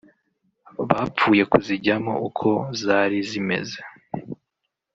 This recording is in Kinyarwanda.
bapfuye kuzijyamo uko zari zimeze